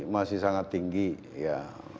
masih sangat tinggi ya